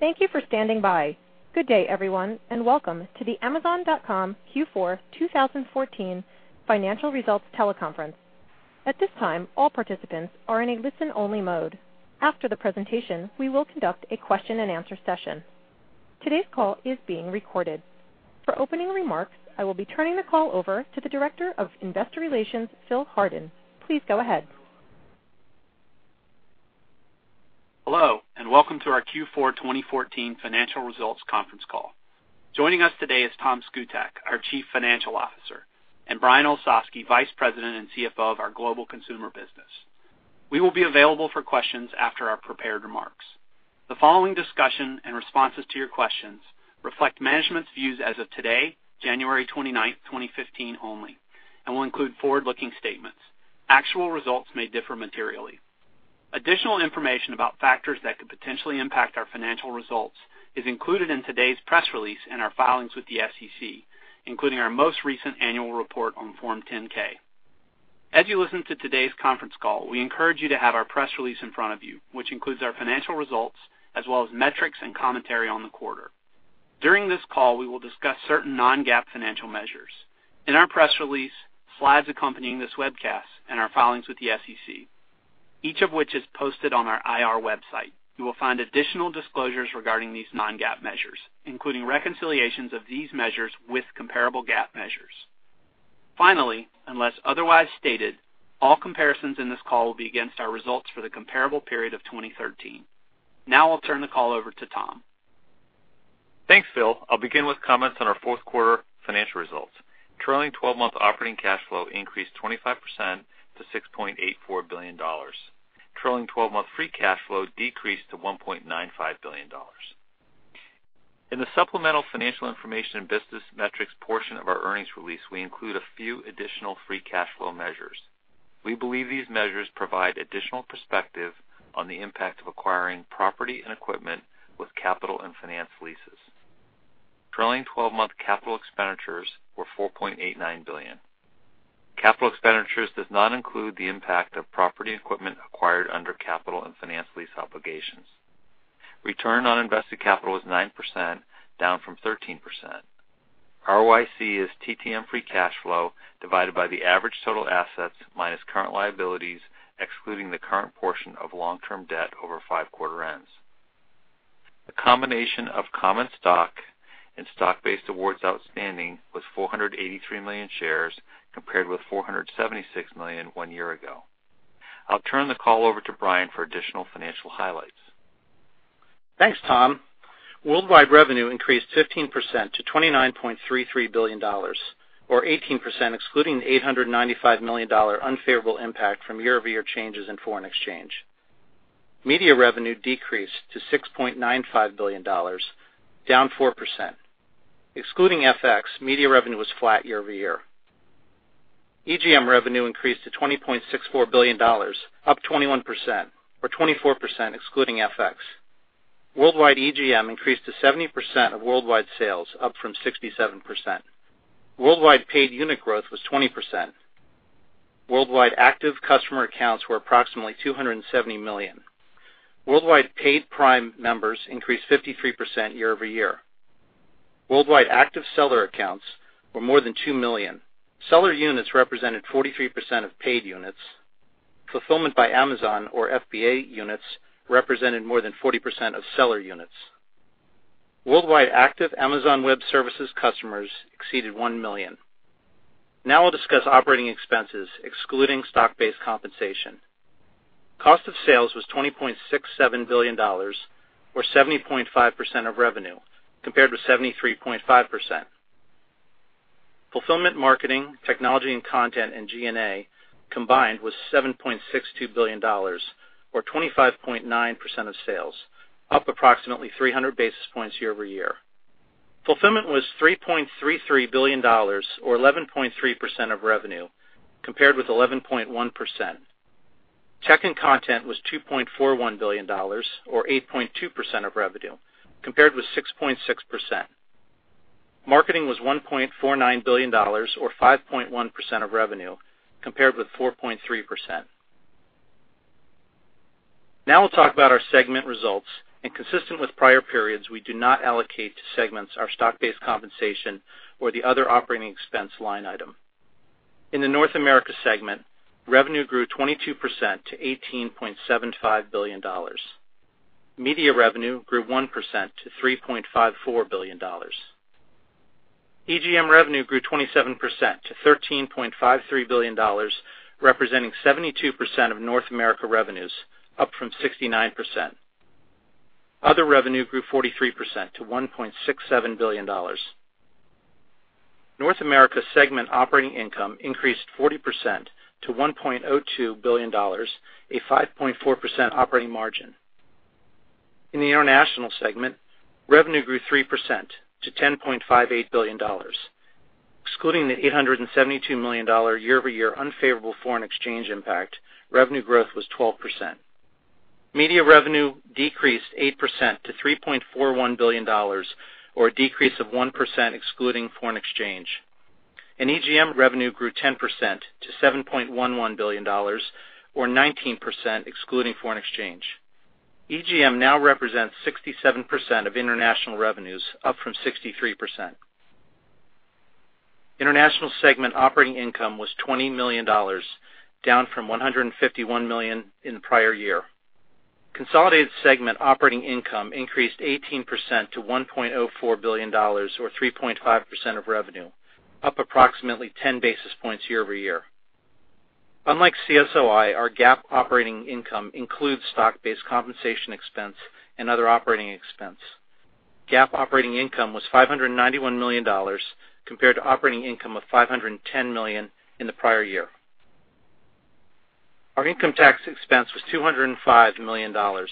Thank you for standing by. Good day, everyone, and welcome to the Amazon.com Q4 2014 financial results teleconference. At this time, all participants are in a listen-only mode. After the presentation, we will conduct a question and answer session. Today's call is being recorded. For opening remarks, I will be turning the call over to the Director of Investor Relations, Phil Hardin. Please go ahead. Hello, welcome to our Q4 2014 financial results conference call. Joining us today is Tom Szkutak, our Chief Financial Officer, and Brian Olsavsky, Vice President and CFO of our global consumer business. We will be available for questions after our prepared remarks. The following discussion and responses to your questions reflect management's views as of today, January 29th, 2015 only, and will include forward-looking statements. Actual results may differ materially. Additional information about factors that could potentially impact our financial results is included in today's press release and our filings with the SEC, including our most recent annual report on Form 10-K. As you listen to today's conference call, we encourage you to have our press release in front of you, which includes our financial results as well as metrics and commentary on the quarter. During this call, we will discuss certain non-GAAP financial measures. In our press release, slides accompanying this webcast, and our filings with the SEC, each of which is posted on our IR website, you will find additional disclosures regarding these non-GAAP measures, including reconciliations of these measures with comparable GAAP measures. Unless otherwise stated, all comparisons in this call will be against our results for the comparable period of 2013. I'll turn the call over to Tom. Thanks, Phil. I'll begin with comments on our fourth quarter financial results. Trailing 12-month operating cash flow increased 25% to $6.84 billion. Trailing 12-month free cash flow decreased to $1.95 billion. In the supplemental financial information and business metrics portion of our earnings release, we include a few additional free cash flow measures. We believe these measures provide additional perspective on the impact of acquiring property and equipment with capital and finance leases. Trailing 12-month capital expenditures were $4.89 billion. Capital expenditures does not include the impact of property equipment acquired under capital and finance lease obligations. Return on invested capital is 9%, down from 13%. ROIC is TTM free cash flow divided by the average total assets minus current liabilities, excluding the current portion of long-term debt over five quarter ends. The combination of common stock and stock-based awards outstanding was 483 million shares compared with 476 million one year ago. I'll turn the call over to Brian for additional financial highlights. Thanks, Tom. Worldwide revenue increased 15% to $29.33 billion, or 18% excluding the $895 million unfavorable impact from year-over-year changes in foreign exchange. Media revenue decreased to $6.95 billion, down 4%. Excluding FX, media revenue was flat year-over-year. EGM revenue increased to $20.64 billion, up 21%, or 24% excluding FX. Worldwide EGM increased to 70% of worldwide sales, up from 67%. Worldwide paid unit growth was 20%. Worldwide active customer accounts were approximately 270 million. Worldwide paid Amazon Prime members increased 53% year-over-year. Worldwide active seller accounts were more than 2 million. Seller units represented 43% of paid units. Fulfillment by Amazon, or FBA units, represented more than 40% of seller units. Worldwide active Amazon Web Services customers exceeded 1 million. Now I'll discuss operating expenses excluding stock-based compensation. Cost of sales was $20.67 billion, or 70.5% of revenue, compared with 73.5%. Fulfillment, marketing, technology and content, and G&A combined was $7.62 billion, or 25.9% of sales, up approximately 300 basis points year-over-year. Fulfillment was $3.33 billion, or 11.3% of revenue, compared with 11.1%. Tech and content was $2.41 billion, or 8.2% of revenue, compared with 6.6%. Marketing was $1.49 billion, or 5.1% of revenue, compared with 4.3%. Now I'll talk about our segment results. Consistent with prior periods, we do not allocate to segments our stock-based compensation or the other operating expense line item. In the North America segment, revenue grew 22% to $18.75 billion. Media revenue grew 1% to $3.54 billion. EGM revenue grew 27% to $13.53 billion, representing 72% of North America revenues, up from 69%. Other revenue grew 43% to $1.67 billion. North America segment operating income increased 40% to $1.02 billion, a 5.4% operating margin. In the international segment, revenue grew 3% to $10.58 billion. Excluding the $872 million year-over-year unfavorable foreign exchange impact, revenue growth was 12%. Media revenue decreased 8% to $3.41 billion, or a decrease of 1% excluding foreign exchange. EGM revenue grew 10% to $7.11 billion, or 19% excluding foreign exchange. EGM now represents 67% of international revenues, up from 63%. International segment operating income was $20 million, down from $151 million in the prior year. Consolidated segment operating income increased 18% to $1.04 billion or 3.5% of revenue, up approximately 10 basis points year-over-year. Unlike CSOI, our GAAP operating income includes stock-based compensation expense and other operating expense. GAAP operating income was $591 million compared to operating income of $510 million in the prior year. Our income tax expense was $205 million. GAAP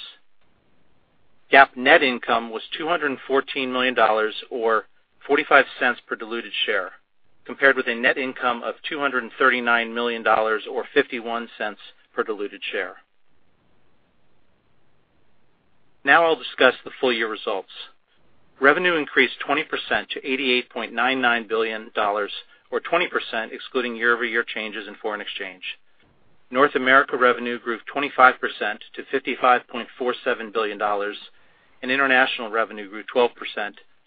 net income was $214 million, or $0.45 per diluted share, compared with a net income of $239 million or $0.51 per diluted share. Now I'll discuss the full year results. Revenue increased 20% to $88.99 billion, or 20% excluding year-over-year changes in foreign exchange. North America revenue grew 25% to $55.47 billion and international revenue grew 12%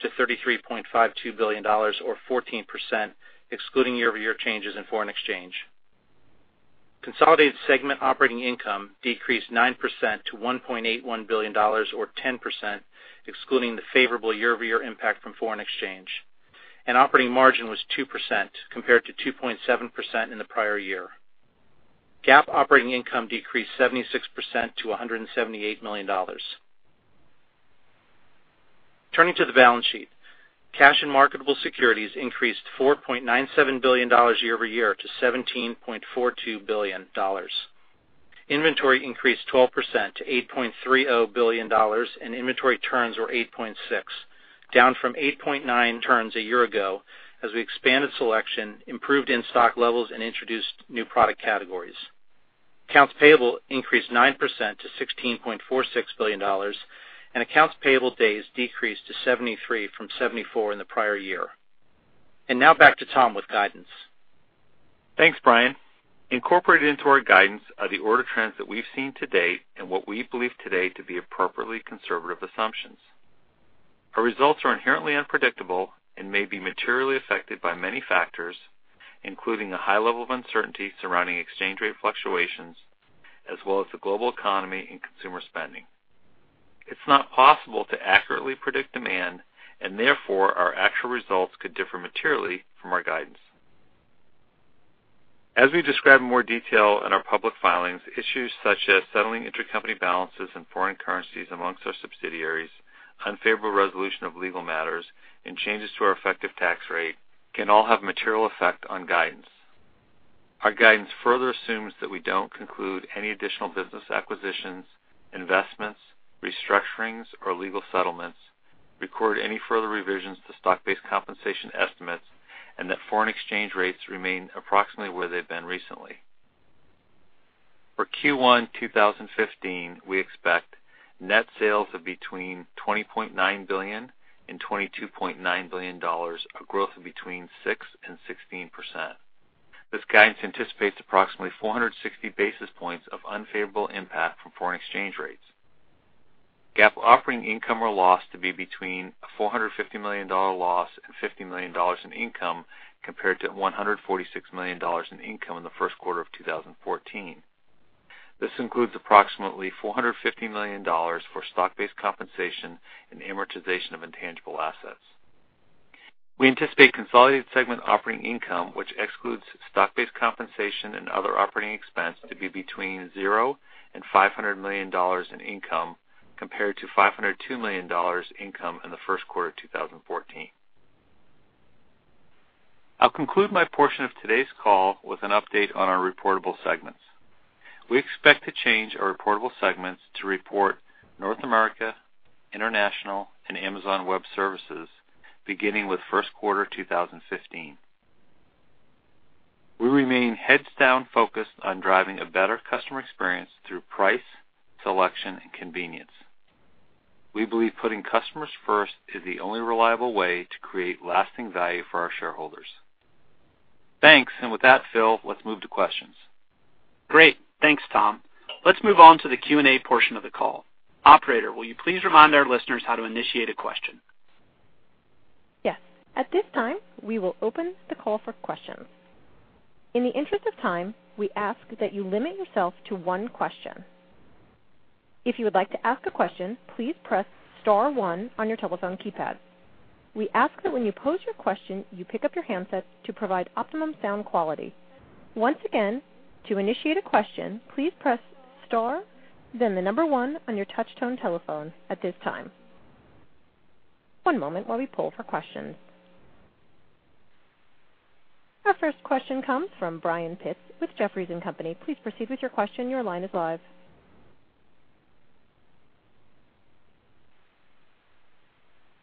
to $33.52 billion or 14% excluding year-over-year changes in foreign exchange. Consolidated segment operating income decreased 9% to $1.81 billion or 10% excluding the favorable year-over-year impact from foreign exchange, and operating margin was 2% compared to 2.7% in the prior year. GAAP operating income decreased 76% to $178 million. Turning to the balance sheet. Cash and marketable securities increased $4.97 billion year-over-year to $17.42 billion. Inventory increased 12% to $8.30 billion, and inventory turns were 8.6, down from 8.9 turns a year ago as we expanded selection, improved in-stock levels, and introduced new product categories. Accounts payable increased 9% to $16.46 billion and accounts payable days decreased to 73 from 74 in the prior year. Now back to Tom with guidance. Thanks, Brian. Incorporated into our guidance are the order trends that we've seen to date and what we believe today to be appropriately conservative assumptions. Our results are inherently unpredictable and may be materially affected by many factors, including the high level of uncertainty surrounding exchange rate fluctuations, as well as the global economy and consumer spending. It's not possible to accurately predict demand, and therefore, our actual results could differ materially from our guidance. As we describe in more detail in our public filings, issues such as settling intercompany balances and foreign currencies amongst our subsidiaries, unfavorable resolution of legal matters, and changes to our effective tax rate can all have a material effect on guidance. Our guidance further assumes that we don't conclude any additional business acquisitions, investments, restructurings, or legal settlements, record any further revisions to stock-based compensation estimates, and that foreign exchange rates remain approximately where they've been recently. For Q1 2015, we expect net sales of between $20.9 billion and $22.9 billion, a growth of between 6% and 16%. This guidance anticipates approximately 460 basis points of unfavorable impact from foreign exchange rates. GAAP operating income or loss to be between a $450 million loss and $50 million in income, compared to $146 million in income in the first quarter of 2014. This includes approximately $450 million for stock-based compensation and amortization of intangible assets. We anticipate consolidated segment operating income, which excludes stock-based compensation and other operating expense, to be between zero and $500 million in income, compared to $502 million income in the first quarter of 2014. I'll conclude my portion of today's call with an update on our reportable segments. We expect to change our reportable segments to report North America, International, and Amazon Web Services beginning with first quarter 2015. We remain heads-down focused on driving a better customer experience through price, selection, and convenience. We believe putting customers first is the only reliable way to create lasting value for our shareholders. Thanks. With that, Phil, let's move to questions. Great. Thanks, Tom. Let's move on to the Q&A portion of the call. Operator, will you please remind our listeners how to initiate a question? Yes. At this time, we will open the call for questions. In the interest of time, we ask that you limit yourself to one question. If you would like to ask a question, please press star one on your telephone keypad. We ask that when you pose your question, you pick up your handset to provide optimum sound quality. Once again, to initiate a question, please press star, then the number one on your touch-tone telephone at this time. One moment while we poll for questions. Our first question comes from Brian Pitz with Jefferies & Company. Please proceed with your question. Your line is live.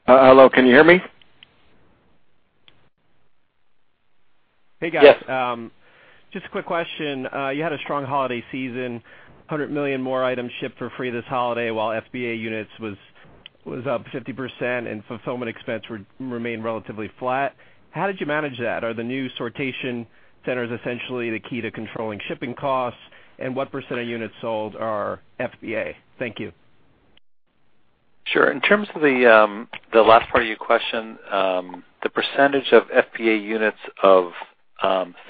Hello, can you hear me? Yes. Hey, guys. Just a quick question. You had a strong holiday season, 100 million more items shipped for free this holiday while FBA units was up 50%. Fulfillment expense remained relatively flat. How did you manage that? Are the new sortation centers essentially the key to controlling shipping costs? What % of units sold are FBA? Thank you. Sure. In terms of the last part of your question, the % of FBA units of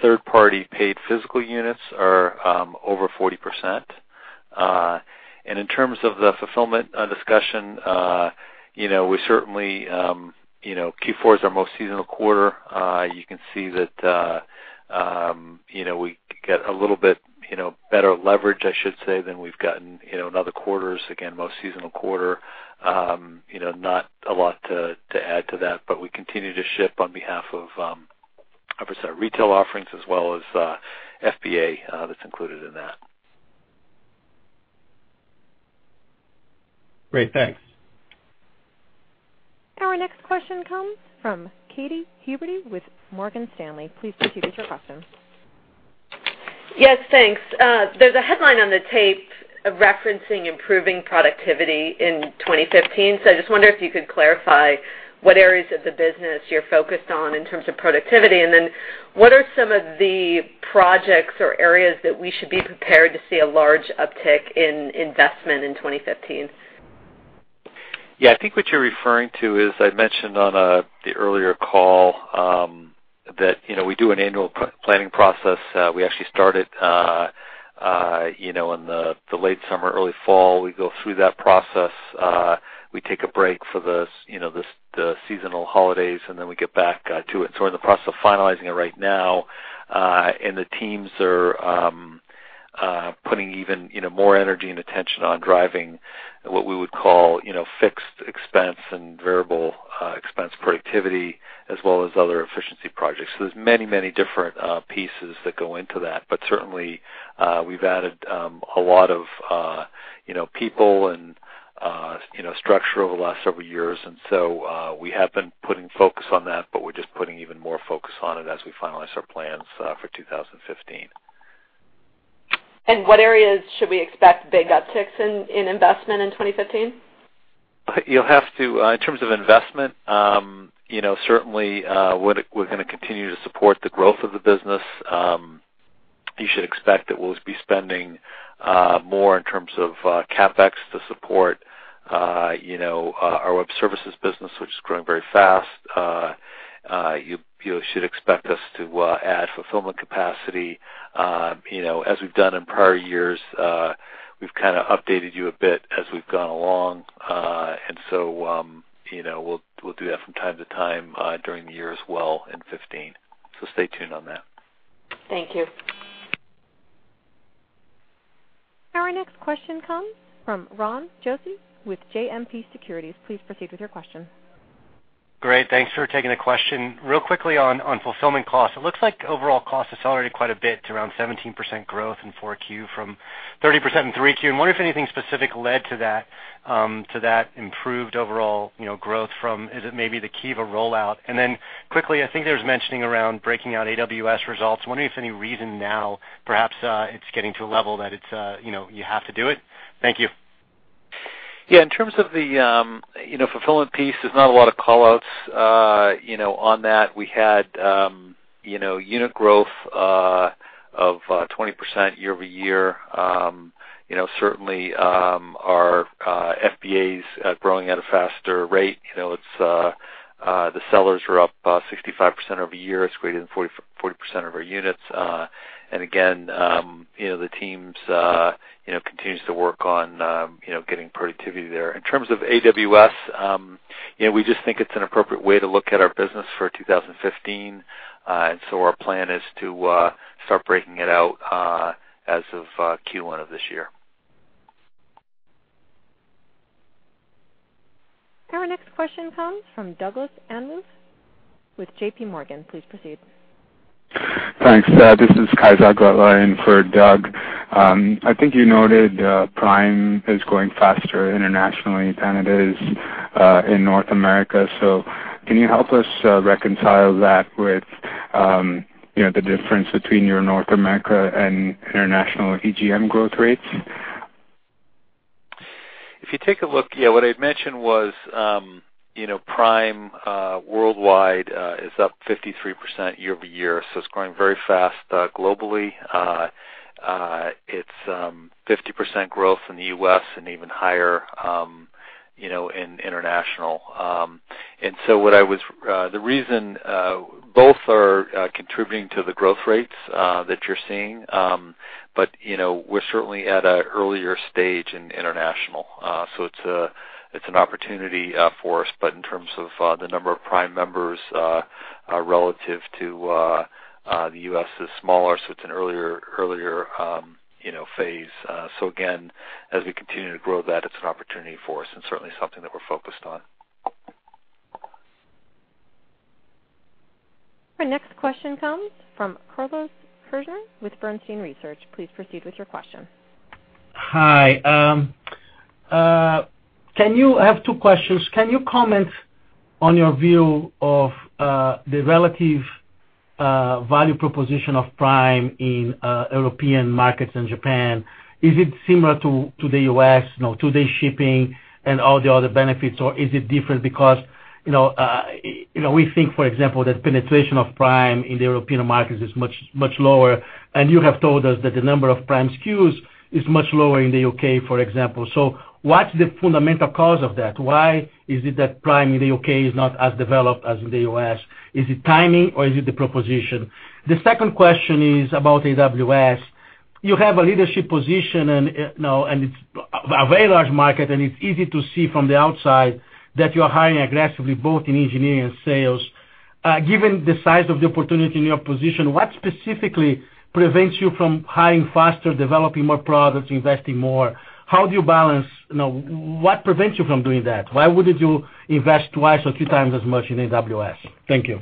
third-party paid physical units are over 40%. In terms of the fulfillment discussion, Q4 is our most seasonal quarter. You can see that we get a little bit better leverage, I should say, than we've gotten in other quarters. Again, most seasonal quarter. Not a lot to add to that, but we continue to ship on behalf of our % of retail offerings as well as FBA that's included in that. Great, thanks. Our next question comes from Katy Huberty with Morgan Stanley. Please proceed with your question. Yes, thanks. I just wonder if you could clarify what areas of the business you're focused on in terms of productivity, and then what are some of the projects or areas that we should be prepared to see a large uptick in investment in 2015? I think what you're referring to is, I mentioned on the earlier call, that we do an annual planning process. We actually start it in the late summer, early fall. We go through that process, we take a break for the seasonal holidays, and then we get back to it. We're in the process of finalizing it right now. The teams are putting even more energy and attention on driving what we would call fixed expense and variable expense productivity, as well as other efficiency projects. There's many different pieces that go into that. Certainly, we've added a lot of people and structure over the last several years. We have been putting focus on that, but we're just putting even more focus on it as we finalize our plans for 2015. What areas should we expect big upticks in investment in 2015? In terms of investment, certainly, we're going to continue to support the growth of the business. You should expect that we'll be spending more in terms of CapEx to support our Web Services business, which is growing very fast. You should expect us to add fulfillment capacity as we've done in prior years. We've kind of updated you a bit as we've gone along. We'll do that from time to time during the year as well in 2015. Stay tuned on that. Thank you. Our next question comes from Ron Josey with JMP Securities. Please proceed with your question. Thanks for taking the question. Real quickly on fulfillment cost, it looks like overall cost accelerated quite a bit to around 17% growth in Q4 from 30% in Q3. I wonder if anything specific led to that improved overall growth from, is it maybe the key FBA rollout? Quickly, I think there was mentioning around breaking out AWS results. I'm wondering if any reason now, perhaps it's getting to a level that you have to do it. Thank you. Yeah. In terms of the fulfillment piece, there's not a lot of call-outs on that. We had unit growth of 20% year-over-year. Certainly, our FBA is growing at a faster rate. The sellers were up 65% over year. It's greater than 40% of our units. Again, the teams continues to work on getting productivity there. In terms of AWS, we just think it's an appropriate way to look at our business for 2015. Our plan is to start breaking it out as of Q1 of this year. Our next question comes from Doug Anmuth with J.P. Morgan. Please proceed. Thanks. This is Kaizad Kotwal for Doug. I think you noted Prime is growing faster internationally than it is in North America. Can you help us reconcile that with the difference between your North America and international EGM growth rates? If you take a look, what I'd mentioned was Prime worldwide is up 53% year-over-year, it's growing very fast globally. It's 50% growth in the U.S. and even higher in international. Both are contributing to the growth rates that you're seeing, we're certainly at an earlier stage in international. It's an opportunity for us, but in terms of the number of Prime members relative to the U.S. is smaller, it's an earlier phase. Again, as we continue to grow that, it's an opportunity for us and certainly something that we're focused on. Our next question comes from Carlos Kirjner with Bernstein Research. Please proceed with your question. Hi. I have two questions. Can you comment on your view of the relative Value proposition of Prime in European markets and Japan. Is it similar to the U.S., two-day shipping and all the other benefits, or is it different? Because we think, for example, that penetration of Prime in the European markets is much lower, and you have told us that the number of Prime SKUs is much lower in the U.K., for example. What's the fundamental cause of that? Why is it that Prime in the U.K. is not as developed as in the U.S.? Is it timing, or is it the proposition? The second question is about AWS. You have a leadership position, and it's a very large market, and it's easy to see from the outside that you are hiring aggressively both in engineering and sales. Given the size of the opportunity in your position, what specifically prevents you from hiring faster, developing more products, investing more? What prevents you from doing that? Why wouldn't you invest twice or three times as much in AWS? Thank you.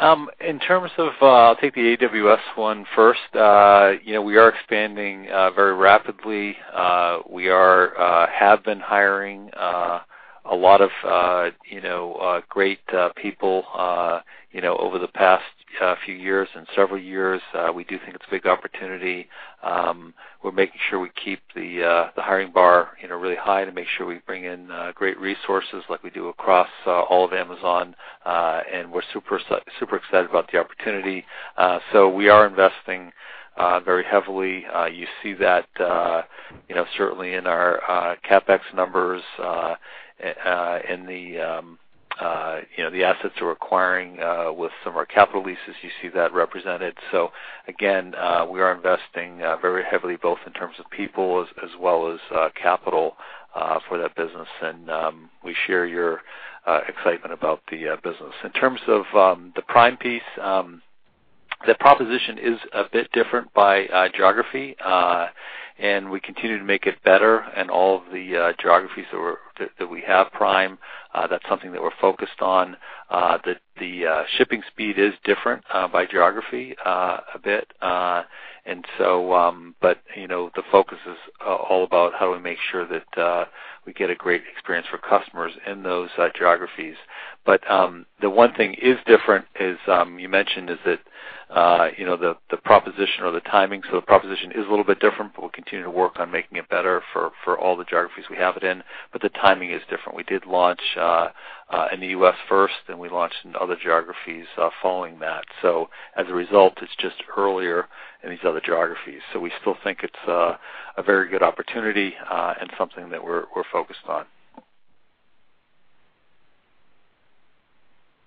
I'll take the AWS one first. We are expanding very rapidly. We have been hiring a lot of great people over the past few years and several years. We do think it's a big opportunity. We're making sure we keep the hiring bar really high to make sure we bring in great resources like we do across all of Amazon. We're super excited about the opportunity. We are investing very heavily. You see that certainly in our CapEx numbers, in the assets we're acquiring with some of our capital leases, you see that represented. Again, we are investing very heavily, both in terms of people as well as capital for that business, and we share your excitement about the business. In terms of the Prime piece, the proposition is a bit different by geography, we continue to make it better in all of the geographies that we have Prime. That's something that we're focused on. The shipping speed is different by geography a bit. The focus is all about how do we make sure that we get a great experience for customers in those geographies. The one thing is different, as you mentioned, is that the proposition or the timing. The proposition is a little bit different, we'll continue to work on making it better for all the geographies we have it in. The timing is different. We did launch in the U.S. first, we launched in other geographies following that. As a result, it's just earlier in these other geographies. We still think it's a very good opportunity and something that we're focused on.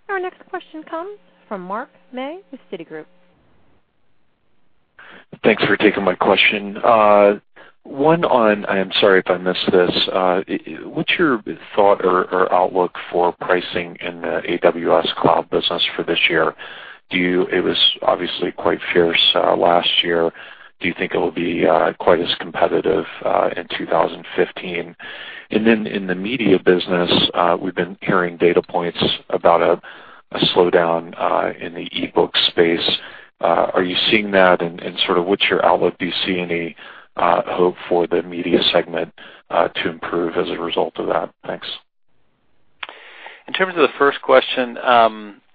Our next question comes from Mark May with Citigroup. Thanks for taking my question. One on, I am sorry if I missed this, what's your thought or outlook for pricing in the AWS Cloud business for this year? It was obviously quite fierce last year. Do you think it will be quite as competitive in 2015? In the media business, we've been hearing data points about a slowdown in the e-book space. Are you seeing that, and what's your outlook? Do you see any hope for the media segment to improve as a result of that? Thanks. In terms of the first question,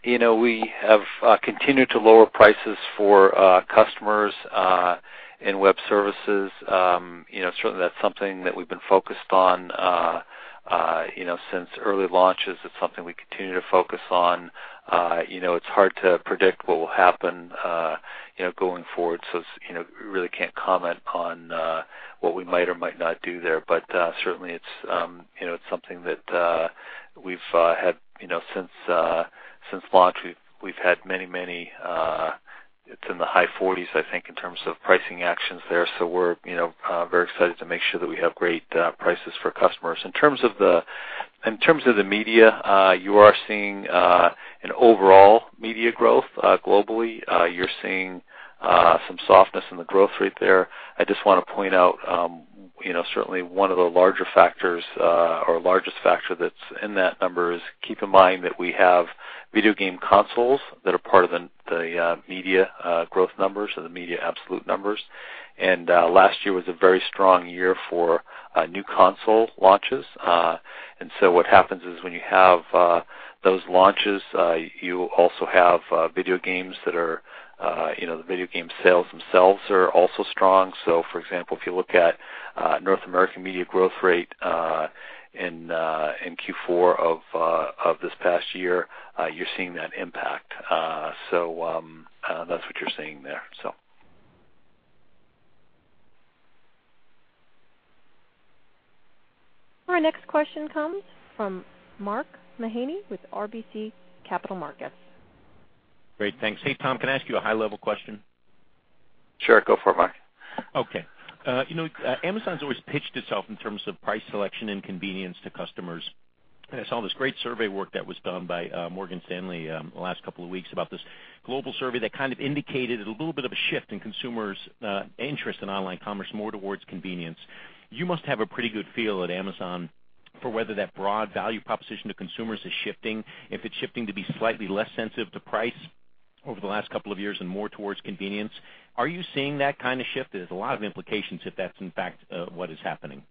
we have continued to lower prices for customers in web services. Certainly that's something that we've been focused on since early launches. It's something we continue to focus on. It's hard to predict what will happen going forward. We really can't comment on what we might or might not do there. Certainly it's something that since launch, we've had many, it's in the high 40s, I think, in terms of pricing actions there. We're very excited to make sure that we have great prices for customers. In terms of the media, you are seeing an overall media growth globally. You're seeing some softness in the growth rate there. I just want to point out certainly one of the larger factors, or largest factor that's in that number is keep in mind that we have video game consoles that are part of the media growth numbers or the media absolute numbers, and last year was a very strong year for new console launches. What happens is when you have those launches, you also have video games that the video game sales themselves are also strong. For example, if you look at North American media growth rate in Q4 of this past year, you're seeing that impact. That's what you're seeing there. Our next question comes from Mark Mahaney with RBC Capital Markets. Great, thanks. Hey, Tom, can I ask you a high-level question? Sure. Go for it, Mark. Okay. Amazon's always pitched itself in terms of price selection and convenience to customers. I saw this great survey work that was done by Morgan Stanley the last couple of weeks about this global survey that kind of indicated a little bit of a shift in consumers' interest in online commerce more towards convenience. You must have a pretty good feel at Amazon for whether that broad value proposition to consumers is shifting. If it's shifting to be slightly less sensitive to price over the last couple of years and more towards convenience. Are you seeing that kind of shift? There's a lot of implications if that's in fact what is happening.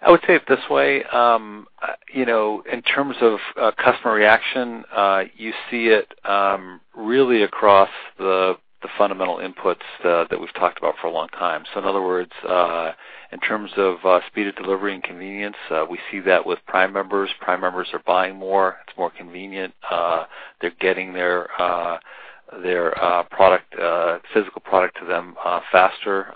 I would say it this way. In terms of customer reaction, you see it really across the fundamental inputs that we've talked about for a long time. In other words, in terms of speed of delivery and convenience, we see that with Prime members. Prime members are buying more. It's more convenient. They're getting their physical product to them faster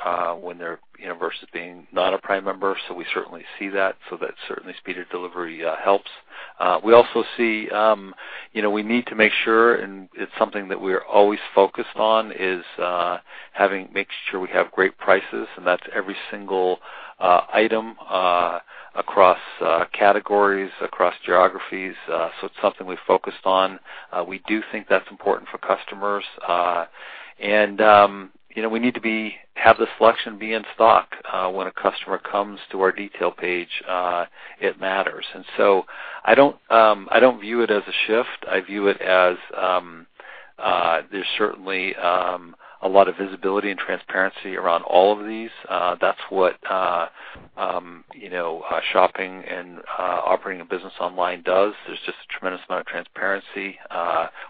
versus being not a Prime member. We certainly see that. That certainly speed of delivery helps. We also see we need to make sure, and it's something that we are always focused on, is making sure we have great prices, and that's every single item across categories, across geographies. It's something we've focused on. We do think that's important for customers. We need to have the selection be in stock. When a customer comes to our detail page, it matters. I don't view it as a shift. I view it as there's certainly a lot of visibility and transparency around all of these. That's what shopping and operating a business online does. There's just a tremendous amount of transparency.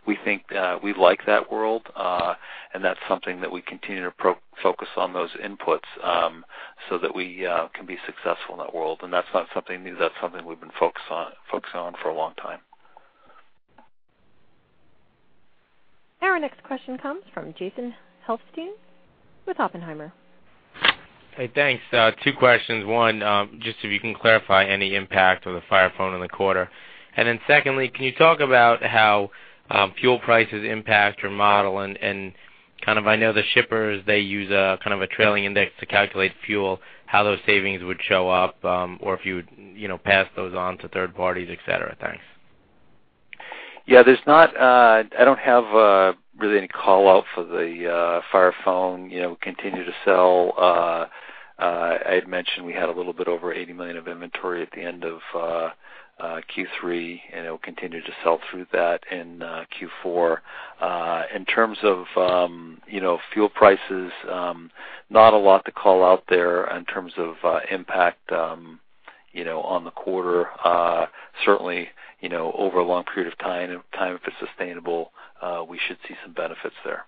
We like that world, that's something that we continue to focus on those inputs, so that we can be successful in that world. That's not something new. That's something we've been focused on for a long time. Our next question comes from Jason Helfstein with Oppenheimer. Hey, thanks. Two questions. One, just if you can clarify any impact of the Fire Phone in the quarter. Secondly, can you talk about how fuel prices impact your model and I know the shippers, they use a trailing index to calculate fuel, how those savings would show up, or if you would pass those on to third parties, et cetera. Thanks. Yeah, I don't have really any call-out for the Fire Phone. We continue to sell. I had mentioned we had a little bit over $80 million of inventory at the end of Q3, it will continue to sell through that in Q4. In terms of fuel prices, not a lot to call out there in terms of impact on the quarter. Certainly, over a long period of time, if it's sustainable, we should see some benefits there.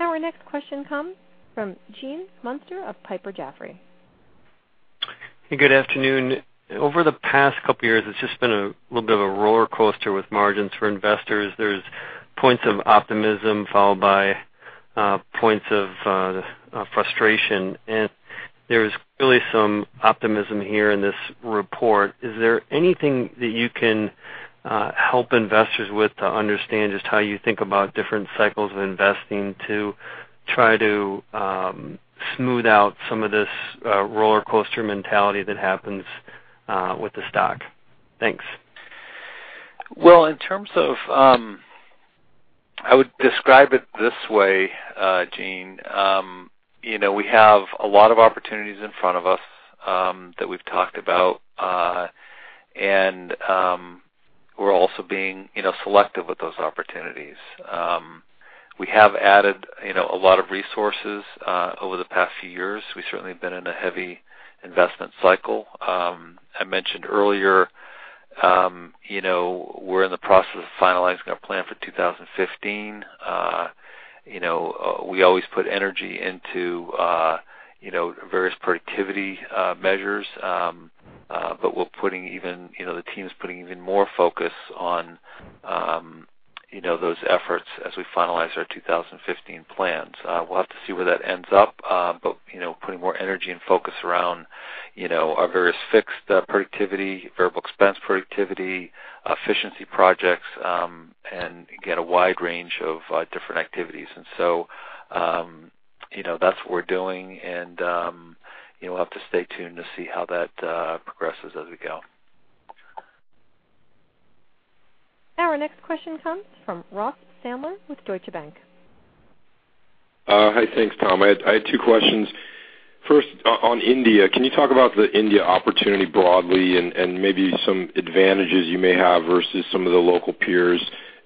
Our next question comes from Gene Munster of Piper Jaffray. Hey, good afternoon. Over the past couple of years, it's just been a little bit of a roller coaster with margins for investors. There's points of optimism followed by points of frustration. There's really some optimism here in this report. Is there anything that you can help investors with to understand just how you think about different cycles of investing to try to smooth out some of this roller coaster mentality that happens with the stock? Thanks. Well, I would describe it this way, Gene. We have a lot of opportunities in front of us that we've talked about, and we're also being selective with those opportunities. We have added a lot of resources over the past few years. We certainly have been in a heavy investment cycle. I mentioned earlier we're in the process of finalizing our plan for 2015. We always put energy into various productivity measures, but the team's putting even more focus on those efforts as we finalize our 2015 plans. We'll have to see where that ends up, but putting more energy and focus around our various fixed productivity, variable expense productivity, efficiency projects, and get a wide range of different activities. That's what we're doing, and we'll have to stay tuned to see how that progresses as we go. Our next question comes from Ross Sandler with Deutsche Bank. Hi. Thanks, Tom. I had two questions. First, on India, can you talk about the India opportunity broadly and maybe some advantages you may have versus some of the local peers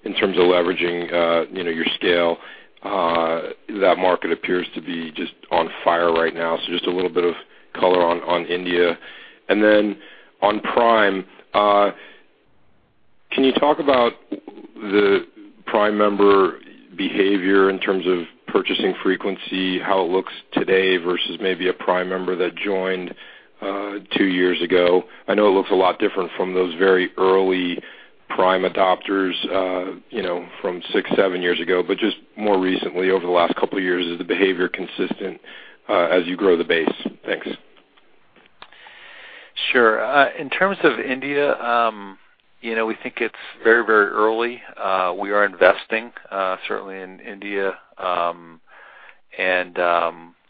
in terms of leveraging your scale? That market appears to be just on fire right now. Just a little bit of color on India. On Prime, can you talk about the Prime member behavior in terms of purchasing frequency, how it looks today versus maybe a Prime member that joined two years ago? I know it looks a lot different from those very early Prime adopters from six, seven years ago. Just more recently, over the last couple of years, is the behavior consistent as you grow the base? Thanks. Sure. In terms of India, we think it's very early. We are investing certainly in India, and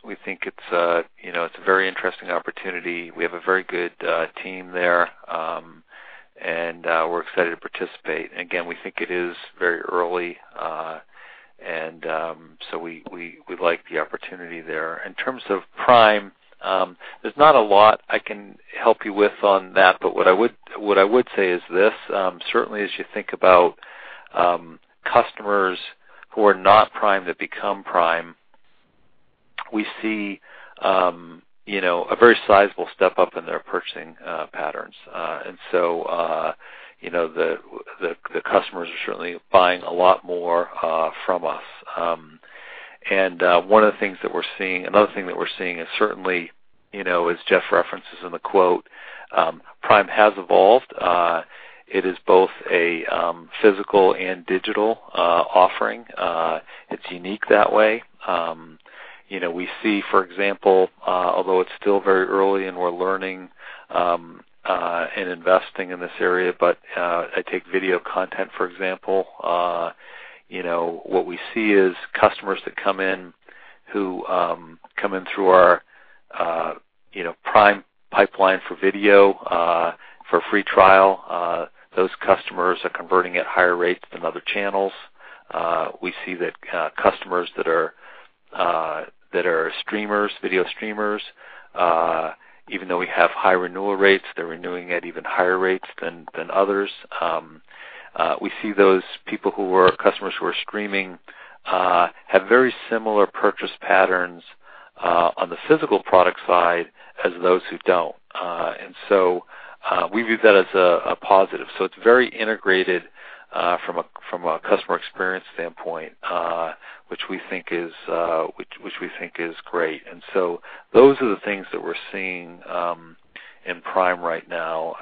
we think it's a very interesting opportunity. We have a very good team there, and we're excited to participate. Again, we think it is very early, so we like the opportunity there. In terms of Prime, there's not a lot I can help you with on that, but what I would say is this, certainly as you think about customers who are not Prime that become Prime, we see a very sizable step up in their purchasing patterns. The customers are certainly buying a lot more from us. Another thing that we're seeing is certainly, as Jeff references in the quote, Prime has evolved. It is both a physical and digital offering. It's unique that way. We see, for example, although it's still very early and we're learning and investing in this area, but I take video content, for example. What we see is customers that come in through our Prime pipeline for video, for a free trial, those customers are converting at higher rates than other channels. We see that customers that are video streamers, even though we have high renewal rates, they're renewing at even higher rates than others. We see those customers who are streaming have very similar purchase patterns on the physical product side as those who don't. We view that as a positive. It's very integrated from a customer experience standpoint, which we think is great. Those are the things that we're seeing in Prime right now.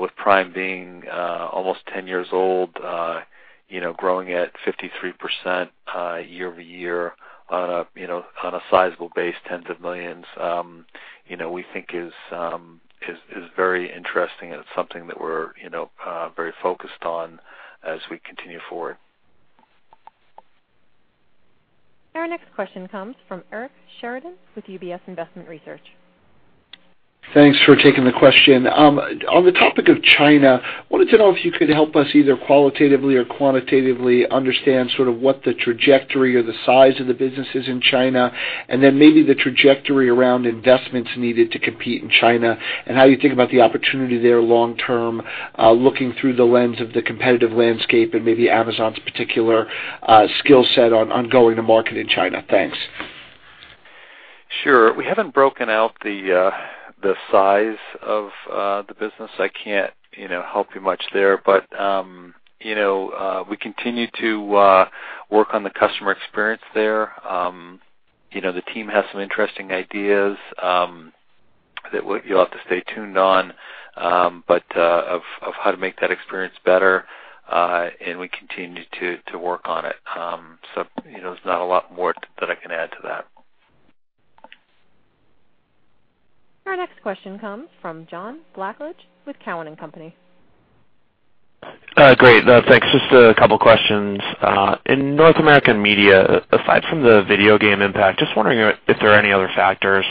With Prime being almost 10 years old, growing at 53% year-over-year on a sizable base, tens of millions, we think is very interesting, and it's something that we're very focused on as we continue forward. Our next question comes from Eric Sheridan with UBS Investment Research. Thanks for taking the question. On the topic of China, wanted to know if you could help us either qualitatively or quantitatively understand sort of what the trajectory or the size of the business is in China, and then maybe the trajectory around investments needed to compete in China, and how you think about the opportunity there long term, looking through the lens of the competitive landscape and maybe Amazon's particular skill set on going to market in China. Thanks. Sure. We haven't broken out the size of the business. I can't help you much there. We continue to work on the customer experience there. The team has some interesting ideas that you'll have to stay tuned on, but of how to make that experience better. We continue to work on it. There's not a lot more that I can add to that. Our next question comes from John Blackledge with Cowen and Company. Great. Thanks. Just a couple of questions. In North American media, aside from the video game impact, just wondering if there are any other factors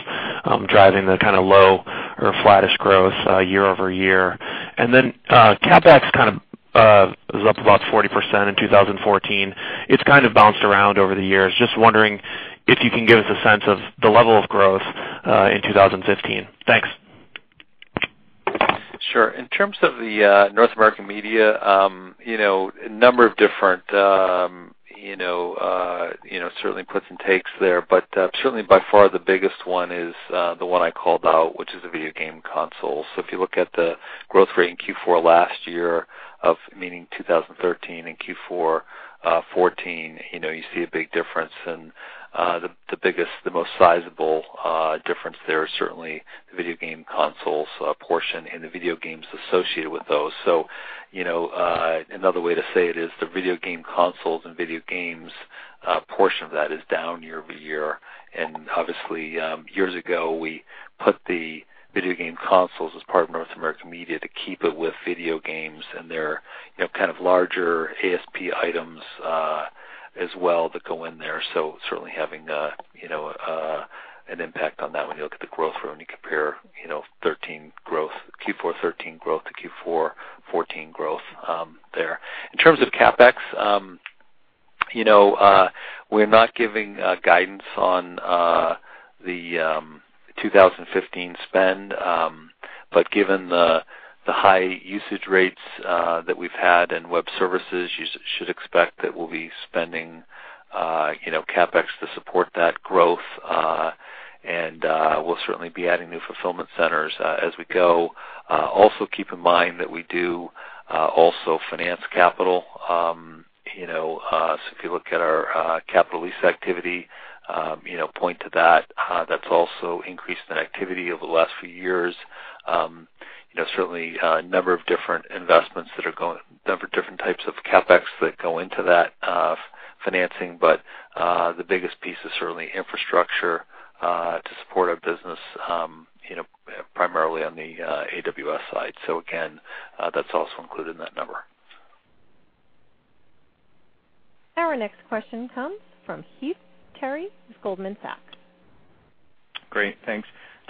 driving the kind of low or flattish growth year-over-year. CapEx kind of is up about 40% in 2014. It's kind of bounced around over the years. Just wondering if you can give us a sense of the level of growth in 2015. Thanks. Sure. In terms of the North American media, a number of different certainly puts and takes there. Certainly by far the biggest one is the one I called out, which is the video game console. If you look at the growth rate in Q4 last year, meaning 2013 and Q4 2014, you see a big difference. The biggest, the most sizable difference there is certainly the video game consoles portion and the video games associated with those. Another way to say it is the video game consoles and video games portion of that is down year-over-year. Obviously, years ago, we put the video game consoles as part of North American media to keep it with video games and their kind of larger ASP items as well that go in there. Certainly having an impact on that when you look at the growth rate, when you compare Q4 2013 growth to Q4 2014 growth there. In terms of CapEx, we're not giving guidance on the 2015 spend. Given the high usage rates that we've had in web services, you should expect that we'll be spending CapEx to support that growth. We'll certainly be adding new fulfillment centers as we go. Also keep in mind that we do also finance capital. If you look at our capital lease activity, point to that's also increased in activity over the last few years. Certainly a number of different types of CapEx that go into that financing. The biggest piece is certainly infrastructure to support our business primarily on the AWS side. Again, that's also included in that number. Our next question comes from Heath Terry with Goldman Sachs. Great. Thanks.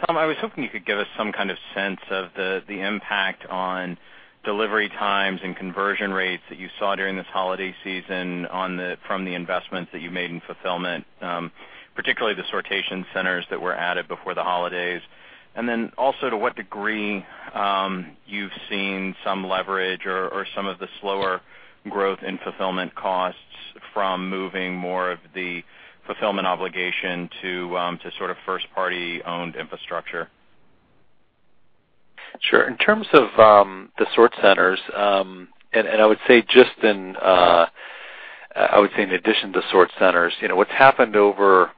Tom, I was hoping you could give us some kind of sense of the impact on delivery times and conversion rates that you saw during this holiday season from the investments that you made in fulfillment, particularly the sortation centers that were added before the holidays. To what degree you've seen some leverage or some of the slower growth in fulfillment costs from moving more of the fulfillment obligation to first-party owned infrastructure? Sure. In terms of the sort centers, I would say in addition to sort centers, what's happened over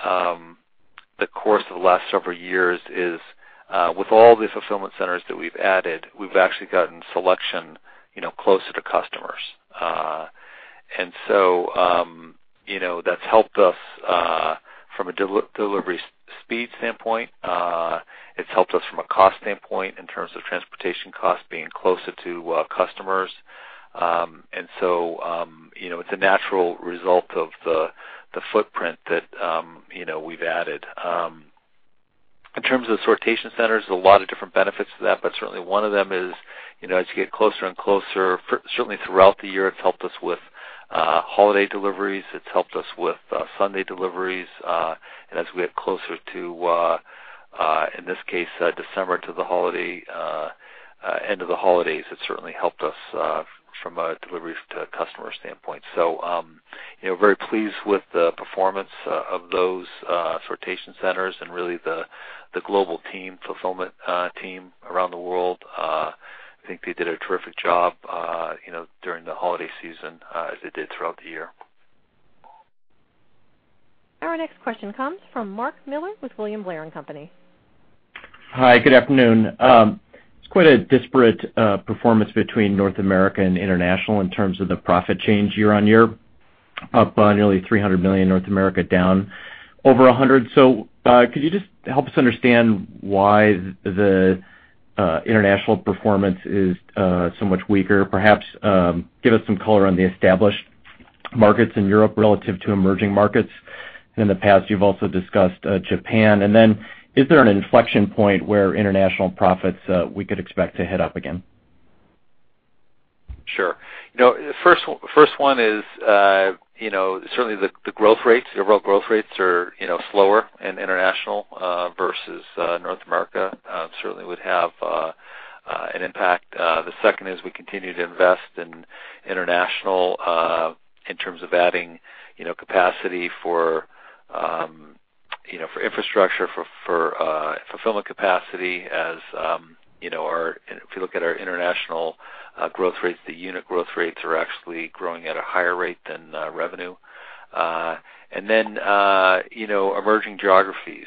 the course of the last several years is with all the fulfillment centers that we've added, we've actually gotten selection closer to customers. That's helped us from a delivery speed standpoint. It's helped us from a cost standpoint in terms of transportation costs being closer to customers. It's a natural result of the footprint that we've added. In terms of sortation centers, there's a lot of different benefits to that, but certainly one of them is as you get closer and closer, certainly throughout the year, it's helped us with holiday deliveries, it's helped us with Sunday deliveries. As we get closer to, in this case, December to the end of the holidays, it certainly helped us from a delivery to customer standpoint. Very pleased with the performance of those sortation centers and really the global fulfillment team around the world. I think they did a terrific job during the holiday season as they did throughout the year. Our next question comes from Mark Miller with William Blair & Company. Hi, good afternoon. It's quite a disparate performance between North America and international in terms of the profit change year-on-year, up by nearly $300 million, North America down over $100 million. Could you just help us understand why the international performance is so much weaker? Perhaps give us some color on the established markets in Europe relative to emerging markets. In the past, you've also discussed Japan. Is there an inflection point where international profits we could expect to head up again? Sure. The first one is certainly the growth rates, the overall growth rates are slower in international versus North America, certainly would have an impact. The second is we continue to invest in international, in terms of adding capacity for infrastructure, for fulfillment capacity. If you look at our international growth rates, the unit growth rates are actually growing at a higher rate than revenue. Emerging geographies.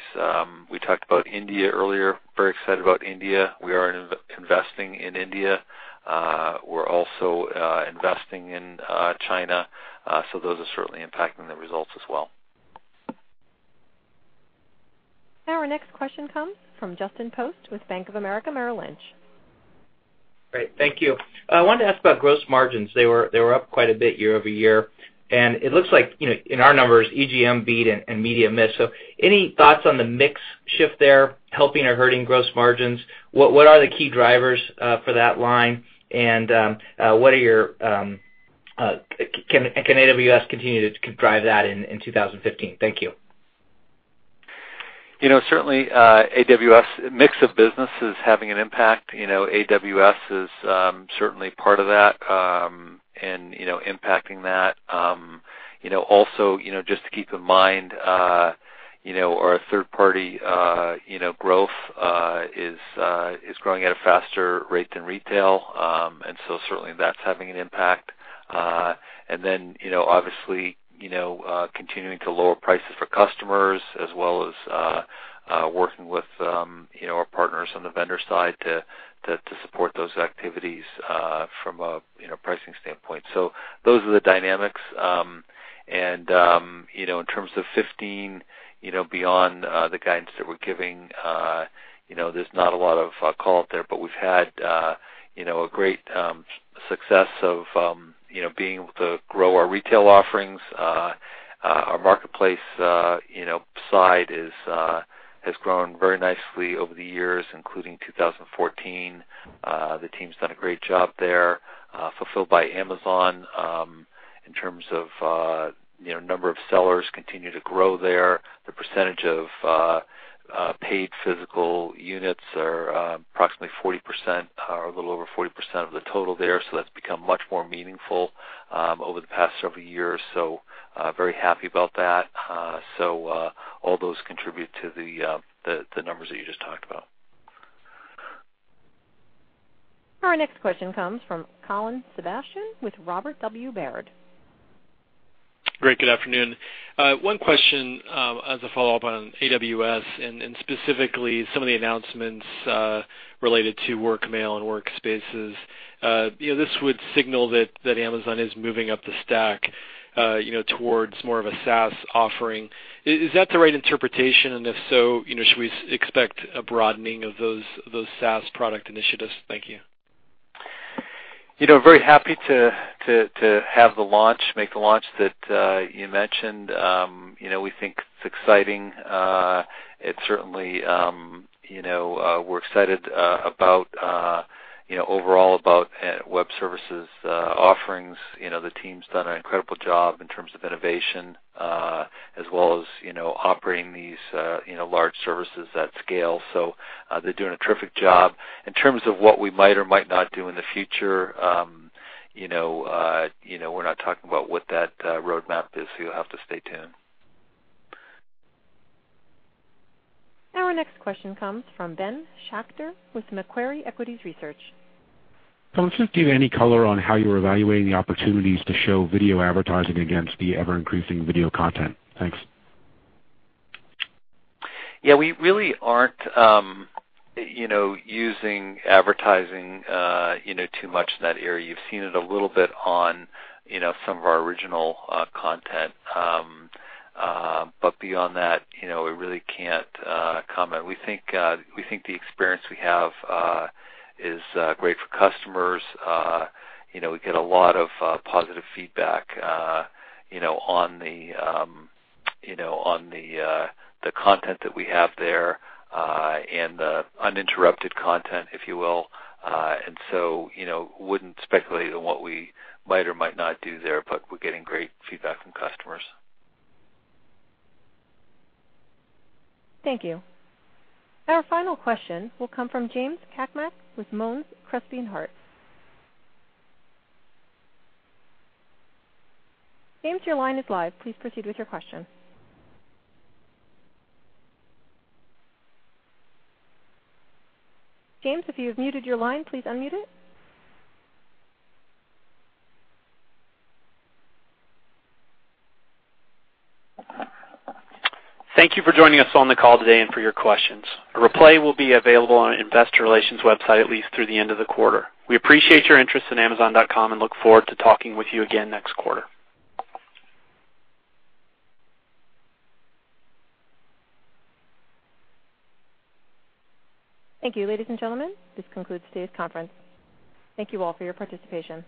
We talked about India earlier, very excited about India. We are investing in India. We're also investing in China. Those are certainly impacting the results as well. Our next question comes from Justin Post with Bank of America Merrill Lynch. Great. Thank you. I wanted to ask about gross margins. They were up quite a bit year-over-year, and it looks like, in our numbers, EGM beat and media missed. Any thoughts on the mix shift there helping or hurting gross margins? What are the key drivers for that line? Can AWS continue to drive that in 2015? Thank you. Certainly, AWS mix of business is having an impact. AWS is certainly part of that and impacting that. Also just to keep in mind, our third-party growth is growing at a faster rate than retail. Certainly that's having an impact. Obviously continuing to lower prices for customers as well as working with our partners on the vendor side to support those activities from a pricing standpoint. Those are the dynamics. In terms of 2015, beyond the guidance that we're giving, there's not a lot of call-out there, but we've had a great success of being able to grow our retail offerings. Our marketplace side has grown very nicely over the years, including 2014. The team's done a great job there. Fulfillment by Amazon, in terms of number of sellers continue to grow there. The percentage of paid physical units are approximately 40%, or a little over 40% of the total there. That's become much more meaningful over the past several years. Very happy about that. All those contribute to the numbers that you just talked about. Our next question comes from Colin Sebastian with Robert W. Baird. Great. Good afternoon. One question as a follow-up on AWS and specifically some of the announcements related to Amazon WorkMail and Amazon WorkSpaces. This would signal that Amazon is moving up the stack towards more of a SaaS offering. Is that the right interpretation? If so, should we expect a broadening of those SaaS product initiatives? Thank you. Very happy to make the launch that you mentioned. We think it's exciting. We're excited about overall about Web Services offerings, the team's done an incredible job in terms of innovation as well as operating these large services at scale. They're doing a terrific job. In terms of what we might or might not do in the future, we're not talking about what that roadmap is, you'll have to stay tuned. Our next question comes from Ben Schachter with Macquarie Equities Research. Thomas, just give any color on how you're evaluating the opportunities to show video advertising against the ever-increasing video content. Thanks. Yeah, we really aren't using advertising too much in that area. You've seen it a little bit on some of our original content. Beyond that, we really can't comment. We think the experience we have is great for customers. We get a lot of positive feedback on the content that we have there and the uninterrupted content, if you will. Wouldn't speculate on what we might or might not do there, but we're getting great feedback from customers. Thank you. Our final question will come from James Cakmak with Monness, Crespi & Hardt. James, your line is live. Please proceed with your question. James, if you have muted your line, please unmute it. Thank you for joining us on the call today and for your questions. A replay will be available on our investor relations website, at least through the end of the quarter. We appreciate your interest in Amazon.com and look forward to talking with you again next quarter. Thank you, ladies and gentlemen. This concludes today's conference. Thank you all for your participation.